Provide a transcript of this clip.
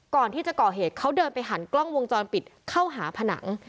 ก่อนที่จะก่อเหตุเขาเดินไปหันกล้องวงจรปิดเข้าหาผนัง